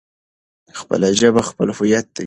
خپله ژبه خپله هويت دی.